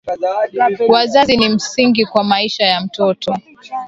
Wazazi ni msingi kwa maisha ya mtoto